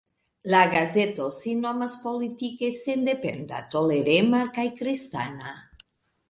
La gazeto sin nomas politike sendependa, tolerema kaj kristana.